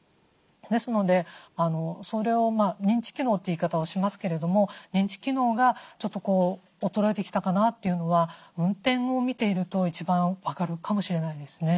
ですのでそれを認知機能という言い方をしますけれども認知機能がちょっと衰えてきたかなというのは運転を見ていると一番分かるかもしれないですね。